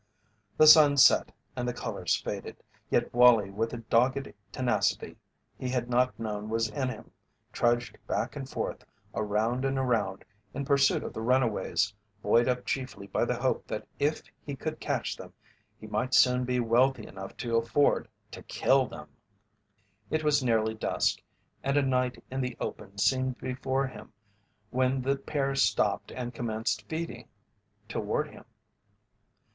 The sun set and the colours faded, yet Wallie with a dogged tenacity he had not known was in him trudged back and forth, around and around, in pursuit of the runaways, buoyed up chiefly by the hope that if he could catch them he might soon be wealthy enough to afford to kill them. It was nearly dusk, and a night in the open seemed before him when the pair stopped and commenced feeding toward him.